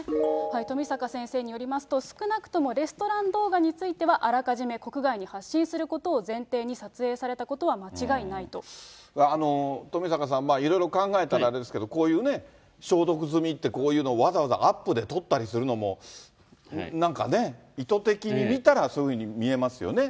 富坂先生によりますと、少なくともレストラン動画については、あらかじめ国外に発信することを前提に撮影されたことは間違いな富坂さん、いろいろ考えたらあれですけど、こういうね、消毒済みって、こういうのをわざわざアップで撮ったりするのも、なんかね、意図的に見たら、そういうふうに見えますよね。